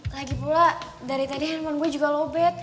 lagipula dari tadi handphone gue juga lobet